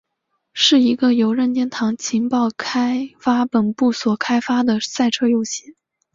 是一个由任天堂情报开发本部所开发的赛车游戏。